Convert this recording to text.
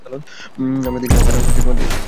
আমরা দেই নি।